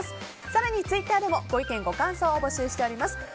更にツイッターでもご意見、ご感想を募集しています。